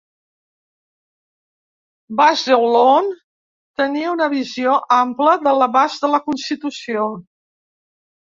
Bazelon tenia una visió ampla de l'abast de la Constitució.